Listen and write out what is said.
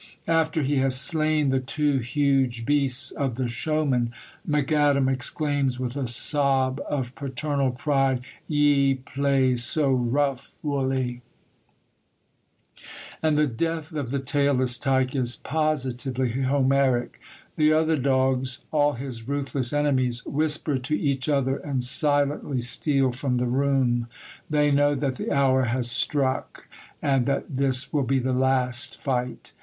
After he has slain the two huge beasts of the showman, McAdam exclaims with a sob of paternal pride, "Ye play so rough, Wullie!" And the death of the Tailless Tyke is positively Homeric. The other dogs, all his ruthless enemies, whisper to each other and silently steal from the room. They know that the hour has struck, and that this will be the last fight.